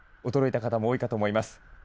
驚いた方も多いかと思います。